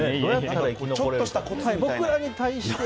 ちょっとしたコツ僕らに対して。